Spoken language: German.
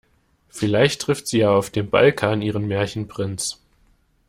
Vielleicht trifft sie ja auf dem Balkan ihren Märchenprinz.